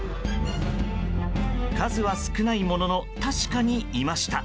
数は少ないものの確かに、いました。